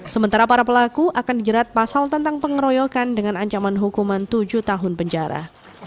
sementara para pelaku akan dijerat pasal tentang pengeroyokan dengan ancaman hukuman tujuh tahun penjara